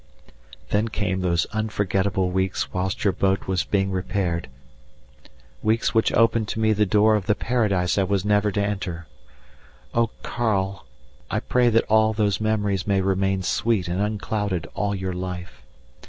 Then came those unforgettable weeks whilst your boat was being repaired, weeks which opened to me the door of the paradise I was never to enter. Oh! Karl, I pray that all those memories may remain sweet and unclouded all your life.